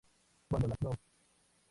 Cuando la Prof.